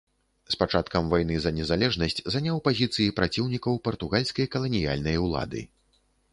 З пачаткам вайны за незалежнасць заняў пазіцыі праціўнікаў партугальскай каланіяльнай улады.